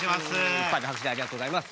いっぱいの拍手ありがとうございます。